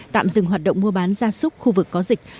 tạm dừng hoạt động mua bán ra súc khu vực có dịch